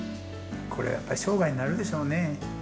これ、やっぱり生涯になるでしょうね。